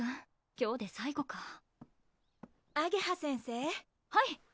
今日で最後かあげは先生はい